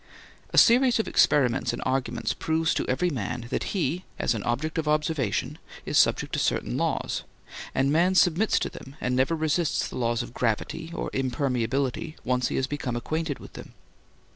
A series of experiments and arguments proves to every man that he, as an object of observation, is subject to certain laws, and man submits to them and never resists the laws of gravity or impermeability once he has become acquainted with them.